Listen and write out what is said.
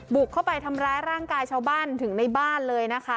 บุกเข้าไปทำร้ายร่างกายชาวบ้านถึงในบ้านเลยนะคะ